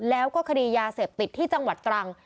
แล้วก็คดียาเสพติดที่จังหวัดตรัง